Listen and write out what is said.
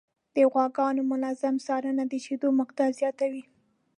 د غواګانو منظم څارنه د شیدو مقدار زیاتوي.